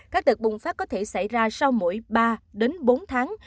các đợt bùng phát có thể xảy ra sau mỗi ba đến bốn tháng